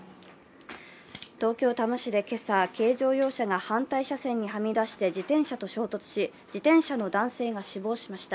東京・多摩市で今朝、軽乗用車が反対車線にはみ出して自転車と衝突し自転車の男性が死亡しました。